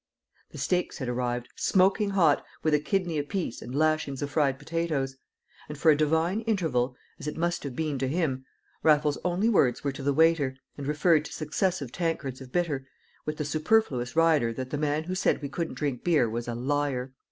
The steaks had arrived, smoking hot, with a kidney apiece and lashings of fried potatoes. And for a divine interval (as it must have been to him) Raffles's only words were to the waiter, and referred to successive tankards of bitter, with the superfluous rider that the man who said we couldn't drink beer was a liar.